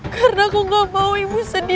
karena aku gak mau ibu sedih